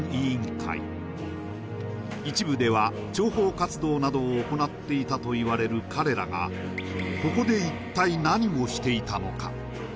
一部では諜報活動などを行っていたといわれる彼らがしていたのか？